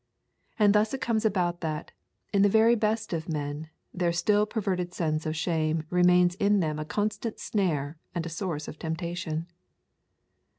And thus it comes about that, in the very best of men, their still perverted sense of shame remains in them a constant snare and a source of temptation.